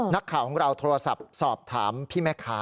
นักข่าวของเราโทรศัพท์สอบถามพี่แม่ค้า